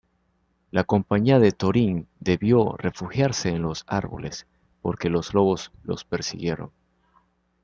La compañía de Thorin debió refugiarse en los árboles, porque los lobos los persiguieron.